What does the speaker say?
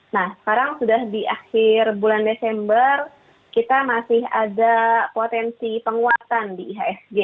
nah sekarang sudah di akhir bulan desember kita masih ada potensi penguatan di ihsg